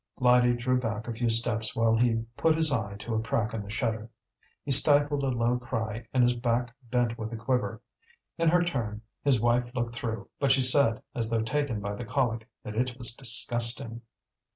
Lydie drew back a few steps while he put his eye to a crack in the shutter. He stifled a low cry and his back bent with a quiver. In her turn his wife looked through, but she said, as though taken by the colic, that it was disgusting.